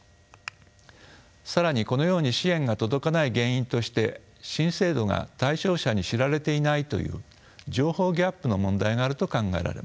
更にこのように支援が届かない原因として新制度が対象者に知られていないという情報ギャップの問題があると考えられます。